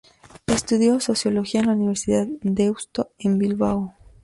Estudió Sociología en la Universidad de Deusto en Bilbao.